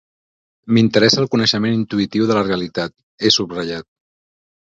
M'interessa el coneixement intuïtiu de la realitat, he subratllat.